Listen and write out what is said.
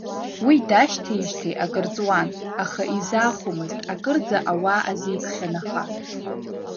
Уи дашьҭеижьҭеи акыр ҵуан, аха изаахәомызт, акырӡа ауаа азикхьан аха.